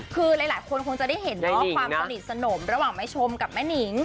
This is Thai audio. คือหลายคนคงจะได้เห็นเนาะความสนิทสนมระหว่างแม่ชมกับแม่นิง